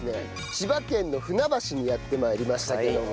千葉県の船橋にやってまいりましたけども。